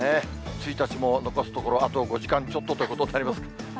１日も残すところ、僅か５時間ちょっとということになります。